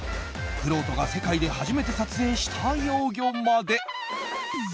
くろうとが世界で初めて撮影した幼魚まで。